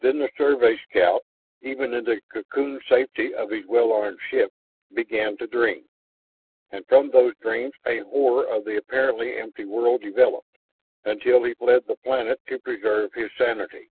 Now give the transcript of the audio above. Then the Survey scout, even in the cocoon safety of his well armed ship, began to dream. And from those dreams a horror of the apparently empty world developed, until he fled the planet to preserve his sanity.